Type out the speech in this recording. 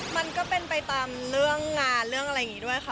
มันก็เป็นไปตามเรื่องงานเรื่องอะไรอย่างนี้ด้วยค่ะ